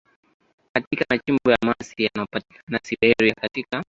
katika Machimbo ya Almasi yanayopatikanika Siberia katika